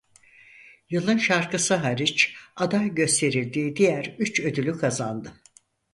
Yılın Şarkısı hariç aday gösterildiği diğer üç ödülü kazandı.